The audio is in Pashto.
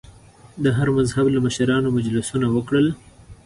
د هر مذهب له مشرانو مجلسونه وکړل.